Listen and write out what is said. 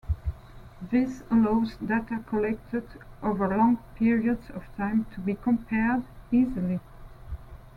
This allows data collected over long periods of time to be compared easily.